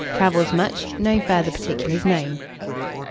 Travels much. No further particulars known."